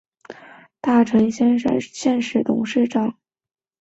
现时董事长及首席执行官朱大成先生。